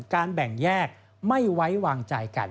การแบ่งแยกไม่ไว้วางใจกัน